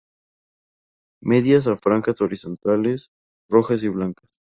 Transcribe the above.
Medias a franjas horizontales rojas y blancas.